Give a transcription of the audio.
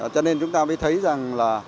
cho nên chúng ta mới thấy rằng là